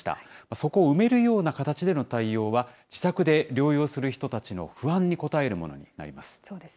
そこを埋めるような形での対応は、自宅で療養する人たちの不安に応えるものになります。